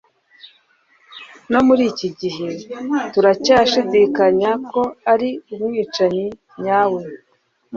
No muri iki gihe turacyashidikanya ko ari umwicanyi nyawe